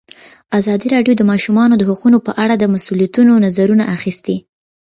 ازادي راډیو د د ماشومانو حقونه په اړه د مسؤلینو نظرونه اخیستي.